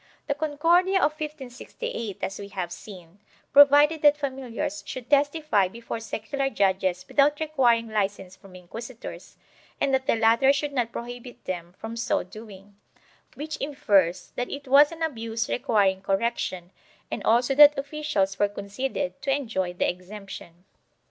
The Concordia of 1568, as we have seen, provided that familiars should testify before secular judges without requir ing licence from inquisitors and that the latter should not pro hibit them from so doing, which infers that it was an abuse requiring correction and also that officials were conceded to enjoy the exemption.